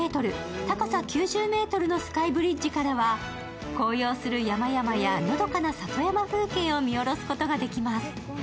高さ９０ｍのスカイブリッジからは紅葉する山々やのどかな里山風景を見下ろすことができます。